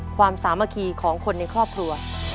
สามัคคีของคนในครอบครัว